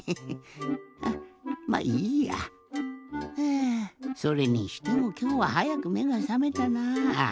あそれにしてもきょうははやくめがさめたなぁ。